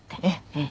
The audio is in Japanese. ええ。